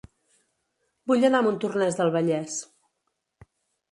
Vull anar a Montornès del Vallès